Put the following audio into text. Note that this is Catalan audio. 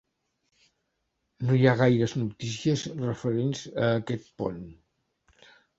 No hi ha gaires notícies referents a aquest pont.